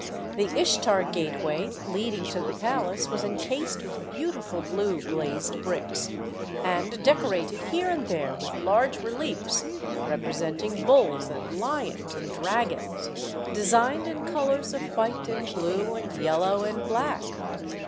The Ishtar gateway lead ing to the palace was encased with beautiful blue glazed bricks, and decorated here and there with large reliefs representing bulls and lions and drag ons, designed in colours of white and blue and yellow and black.